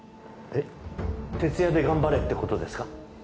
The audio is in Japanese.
えっ徹夜で頑張れってことですか？